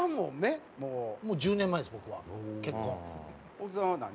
大木さんは何？